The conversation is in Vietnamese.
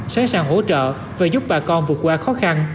sẵn sàng hỗ trợ và giúp bà con vượt qua khó khăn